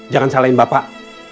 jangan salahin bapak